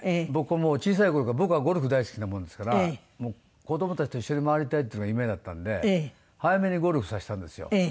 僕もう小さい頃から僕はゴルフ大好きなもんですから子供たちと一緒に回りたいっていうのが夢だったので早めにゴルフさせたんですよ。